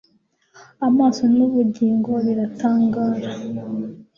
Amaso nubugingo biratangara